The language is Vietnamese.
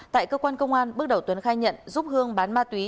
tại cơ quan công an bước đầu tuấn khai nhận giúp hương bán ma túy